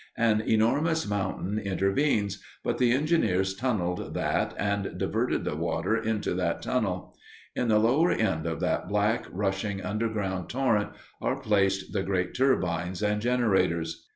An enormous mountain intervenes, but the engineers tunneled that and diverted the water into that tunnel. In the lower end of that black, rushing, underground torrent are placed the great turbines and generators.